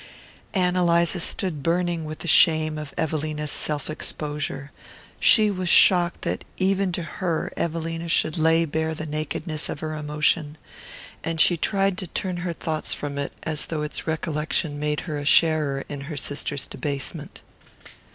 Ann Eliza stood burning with the shame of Evelina's self exposure. She was shocked that, even to her, Evelina should lay bare the nakedness of her emotion; and she tried to turn her thoughts from it as though its recollection made her a sharer in her sister's debasement.